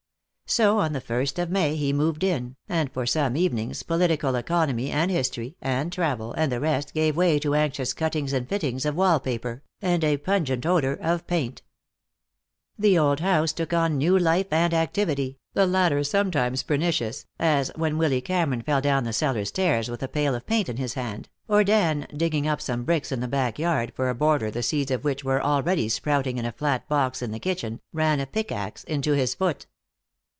So on the first of May he moved in, and for some evenings Political Economy and History and Travel and the rest gave way to anxious cuttings and fittings of wall paper, and a pungent odor of paint. The old house took on new life and activity, the latter sometimes pernicious, as when Willy Cameron fell down the cellar stairs with a pail of paint in his hand, or Dan, digging up some bricks in the back yard for a border the seeds of which were already sprouting in a flat box in the kitchen, ran a pickaxe into his foot.